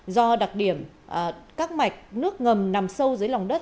do đặc điểm các mạch nước ngầm nằm sâu dưới lòng đất